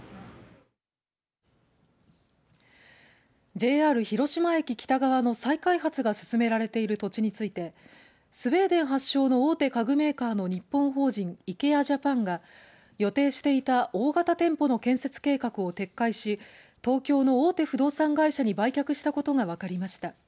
ＪＲ広島駅北側の再開発が進められている土地についてスウェーデン発祥の大手家具メーカーの日本法人イケア・ジャパンが予定していた大型店舗の建設計画を撤回し東京の大手不動産会社に売却したことが分かりました。